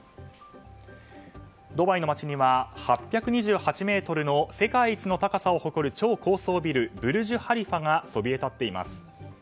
ドバイの街には、８２８ｍの世界一の高さを誇る超高層ビルブルジュ・ハリファがそびえ立っています。